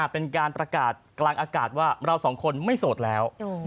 เป็นการประกาศกลางอากาศว่าเราสองคนไม่โสดแล้ว